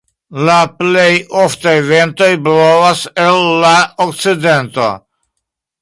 La plej oftaj ventoj blovas el la okcidento.